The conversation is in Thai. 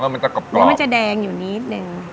มันจะกรอบแล้วมันจะแดงอยู่นิดนึง